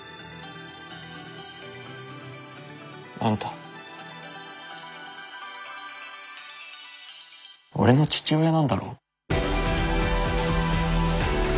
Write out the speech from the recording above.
あんた俺の父親なんだろ？